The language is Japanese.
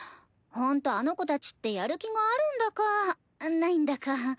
ほんとあの子たちってやる気があるんだかないんだか。